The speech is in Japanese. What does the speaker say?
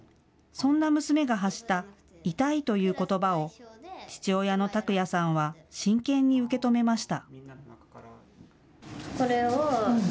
そんな娘が発した痛いということばを父親の琢哉さんは真剣に受け止めました。